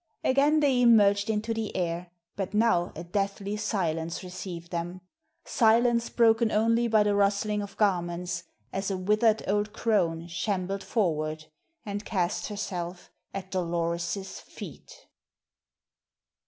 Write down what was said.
Again they emerged into the air, but now a deathly silence received them. Silence broken only by the rustling of garments, as a withered old crone shambled forward and cast herself at Dolores's feet.